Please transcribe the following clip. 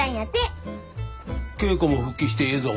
稽古も復帰してええぞ。